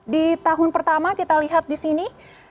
di tahun pertama kita lihat di sini